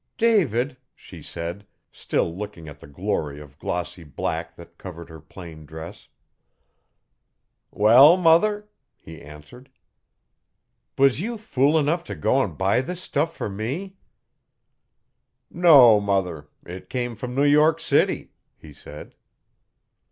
'David,' she said, still looking at the glory of glossy black that covered her plain dress. 'Well, mother,' he answered. 'Was you fool enough t' go'n buy this stuff fer me?' 'No, mother it come from New York City,' he said.